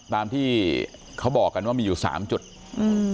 ตามที่เขาบอกกันว่ามีอยู่สามจุดอืม